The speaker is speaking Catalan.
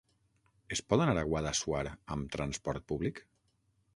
Es pot anar a Guadassuar amb transport públic?